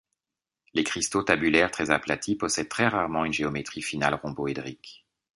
Les cristaux tabulaires très aplatis possèdent très rarement une géométrie finale rhomboédrique.